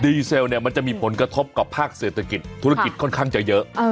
ดีเซลเนี่ยมันจะมีผลกระทบกับภาคเศรษฐกิจธุรกิจค่อนข้างจะเยอะ